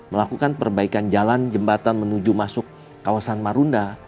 melakukan perbaikan jalan jembatan menuju masuk kawasan marunda